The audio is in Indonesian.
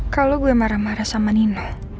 kalau gue marah marah sama nina